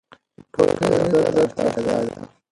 ټولنیز عدالت اړتیا ده.